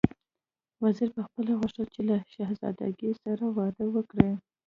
وزیر پخپله غوښتل چې له شهزادګۍ سره واده وکړي.